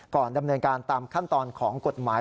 ดำเนินการตามขั้นตอนของกฎหมาย